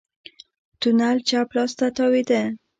تونل چپ لاس ته تاوېده.